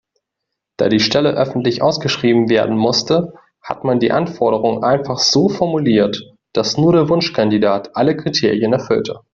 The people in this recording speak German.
Da die Stelle öffentlich ausgeschrieben werden musste, hat man die Anforderungen einfach so formuliert, dass nur der Wunschkandidat alle Kriterien erfüllte.